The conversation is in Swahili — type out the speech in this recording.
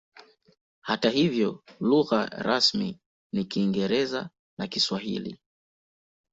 Hata hivyo lugha rasmi ni Kiingereza na Kiswahili.